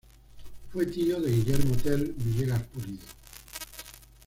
Fue tío de Guillermo Tell Villegas Pulido.